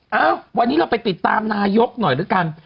เอ้าวันนี้เราไปติดตามนายกหน่อยแล้วกัน